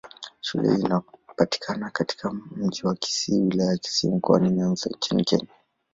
Shule hii inapatikana katika Mji wa Kisii, Wilaya ya Kisii, Mkoani Nyanza nchini Kenya.